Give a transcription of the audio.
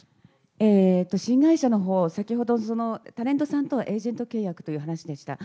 新会社のほう、先ほど、タレントさんとはエージェント契約という話でした。